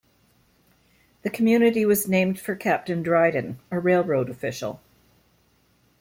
The community was named for Captain Dryden, a railroad official.